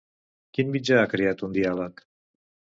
Quin mitjà ha creat un diàleg?